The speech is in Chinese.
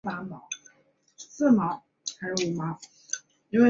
教区包括该国西北部赤道省东部和东方省西部。